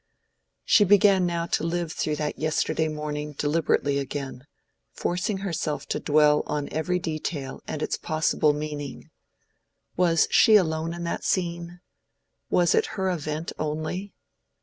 She began now to live through that yesterday morning deliberately again, forcing herself to dwell on every detail and its possible meaning. Was she alone in that scene? Was it her event only?